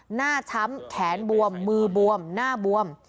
ช้ำแขนบวมมือบวมหน้าบวม